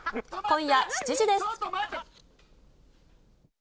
今夜７時です。